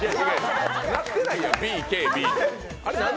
なってないやん、ＢＫＢ。